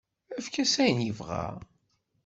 Efk-as ayen yebɣa.